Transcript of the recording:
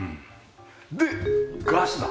でガスだ。